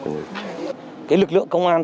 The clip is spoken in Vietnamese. cái lực lượng công an